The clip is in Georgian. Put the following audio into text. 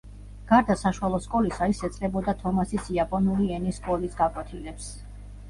გარდა საშუალო სკოლისა, ის ესწრებოდა თომასის იაპონური ენის სკოლის გაკვეთილებს.